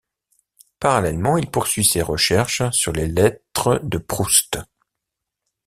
Parallèlement, il poursuit ses recherches sur les lettres de Proust.